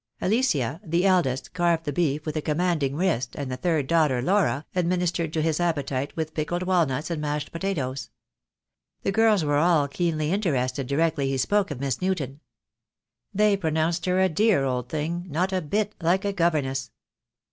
Alicia, the eldest, carved the beef with a commanding wrist, and the third daughter, Laura, administered to his appetite with pickled walnuts and mashed potatoes. The girls were all keenly interested directly he spoke of Miss Newton. They pronounced her a dear old thing, not a bit like a governess.